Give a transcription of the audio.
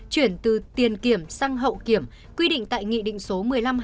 chuyển từ tiền kiểm sang hậu kiểm quy định tại nghị định số một mươi năm hai nghìn một mươi tám